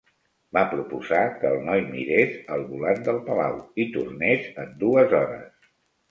Va proposar que el noi mirés al volant del palau i tornés en dues hores.